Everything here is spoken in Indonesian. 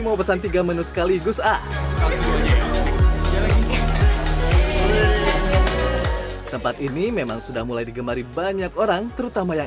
mau pesan tiga menu sekaligus ah tempat ini memang sudah mulai digemari banyak orang terutama yang